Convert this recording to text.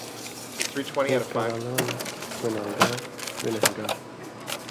اسیں کران٘لوں نہ گنان٘گار (گنہگار)